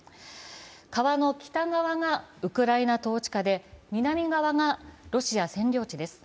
川の北側がウクライナ統治下で、南側はロシア占領地です。